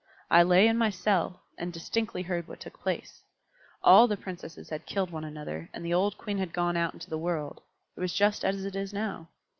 I lay in my cell, and distinctly heard what took place. All the Princesses had killed one another, and the old Queen had gone out into the world: it was just as it is now.